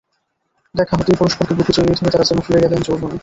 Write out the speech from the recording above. দেখা হতেই পরস্পরকে বুকে জড়িয়ে ধরে তাঁরা যেন ফিরে গেলেন যৌবনে।